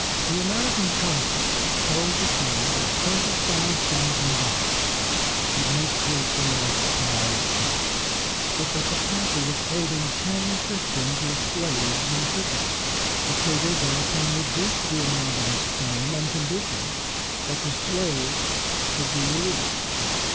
The American consul told Decatur that twenty five thousand dollars would make good the lost prize ships, but that the Pasha was holding ten Christians as slaves in Tripoli. Decatur thereupon reduced the amount of his claim on condition that the slaves should be released.